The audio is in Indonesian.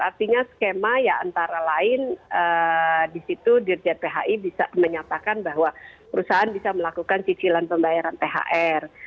artinya skema ya antara lain disitu dirja phi bisa menyatakan bahwa perusahaan bisa melakukan cicilan pembayaran phr